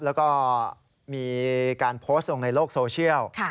แล้วก็มีการโพสต์ลงในโลกโซเชียล